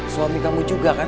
suami kamu juga kan